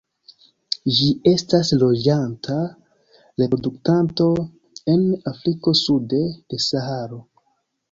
Ĝi estas loĝanta reproduktanto en Afriko sude de Saharo.